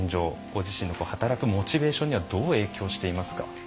ご自身の働くモチベーションにはどう影響していますか？